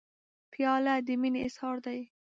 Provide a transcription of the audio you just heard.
پیاله د مینې اظهار دی.